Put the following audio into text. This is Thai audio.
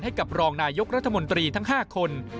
ให้กับรองนายกรัฐมนตรีทั้ง๕คน